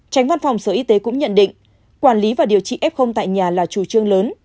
tránh văn phòng sở y tế cũng nhận định quản lý và điều trị f tại nhà là chủ trương lớn